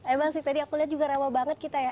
emang sih tadi aku lihat juga rawa banget kita ya